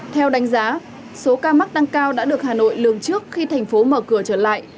theo đánh giá số ca mắc tăng cao đã được hà nội lường trước khi thành phố mở cửa trở lại